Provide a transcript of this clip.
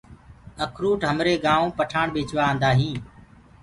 اکروُٽ همرآ گآئونٚ پٺآڻ ڀيچوآ آندآ هين۔